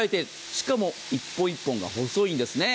しかも１本１本が細いんですね。